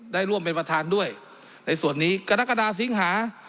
ได้ร่วมเป็นประธานด้วยในส่วนนี้กรกฎาสิงหา